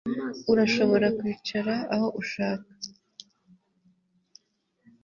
Urashobora kwicara aho ushaka